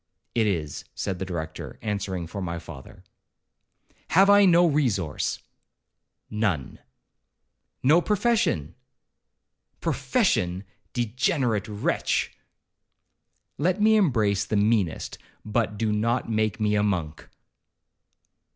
'It is,' said the Director, answering for my father. 'Have I no resource?' 'None.' 'No profession?' 'Profession! degenerate wretch!' 'Let me embrace the meanest, but do not make me a monk.'